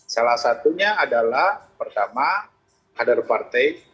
salah satunya adalah pertama other party